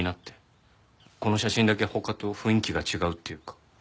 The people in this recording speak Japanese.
この写真だけ他と雰囲気が違うっていうか。